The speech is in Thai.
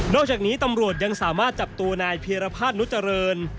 จากนี้ตำรวจยังสามารถจับตัวนายเพียรภาษนุเจริญ